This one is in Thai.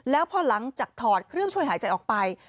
แล้วพอหลังจากถอดเครื่องช่วยหายใจออกไป